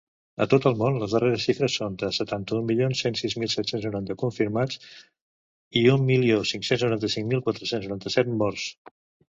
A tot el món, les darreres xifres són de setanta-un milions cent sis mil set-cents noranta confirmats i un milió cinc-cents noranta-cinc mil quatre-cents noranta-set morts.